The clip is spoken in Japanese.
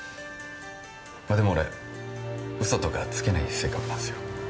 まあでも俺嘘とかつけない性格なんすよ